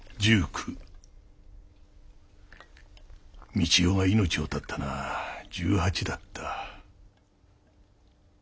三千代が命を絶ったのは１８だった。